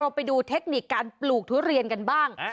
ไปดูเทคนิคการปลูกทุเรียนกันบ้าง